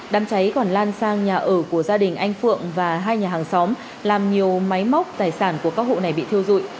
đám cháy còn lan sang nhà ở của gia đình anh phượng và hai nhà hàng xóm làm nhiều máy móc tài sản của các hộ này bị thiêu dụi